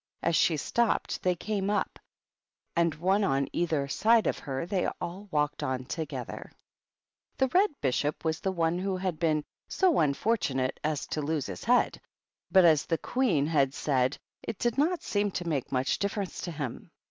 As she stopped they came up, and, one on either side of her, they all walked on together. The THE BISHOPS. 161 Red Bishop was the one who had been so unfortu nate as to lose his head ; but, as the Queen had said, it did not seem to make much difference to him.